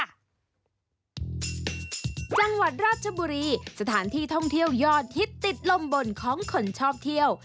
จังหวัดราชบุรีสถานที่ท่องเที่ยวยอดฮิตติดลมบนของคนชอบเที่ยว